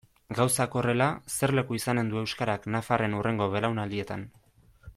Gauzak horrela, zer leku izanen du euskarak nafarren hurrengo belaunaldietan?